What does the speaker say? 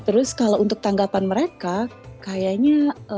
terus kalau untuk tanggapan mereka kayaknya